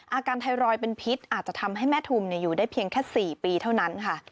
ไทรอยด์เป็นพิษอาจจะทำให้แม่ทุมอยู่ได้เพียงแค่๔ปีเท่านั้นค่ะ